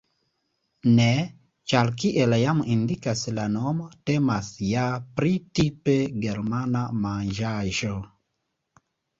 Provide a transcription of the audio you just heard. Ne, ĉar kiel jam indikas la nomo, temas ja pri tipe germana manĝaĵo.